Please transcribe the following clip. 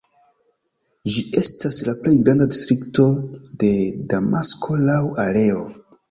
Ĝi estas la plej granda distrikto de Damasko laŭ areo.